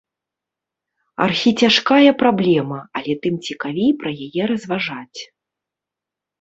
Архіцяжкая праблема, але тым цікавей пра яе разважаць.